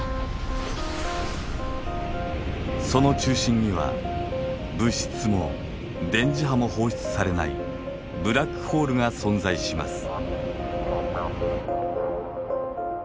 その中心には物質も電磁波も放出されないブラックホールが存在します。